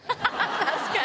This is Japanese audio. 確かに。